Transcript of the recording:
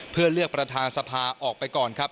เพื่อเลือกประธานสภาออกไปก่อนครับ